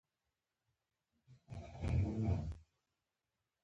د وینې سره کرویات په ... کې جوړیږي.